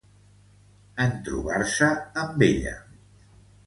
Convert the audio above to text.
En trobar-se amb ella.